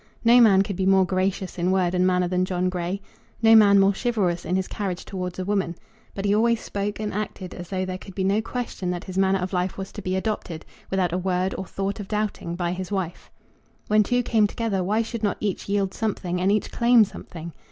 No man could be more gracious in word and manner than John Grey; no man more chivalrous in his carriage towards a woman; but he always spoke and acted as though there could be no question that his manner of life was to be adopted, without a word or thought of doubting, by his wife. When two came together, why should not each yield something, and each claim something?